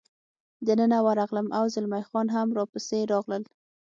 دننه ورغلم، او زلمی خان هم را پسې راغلل.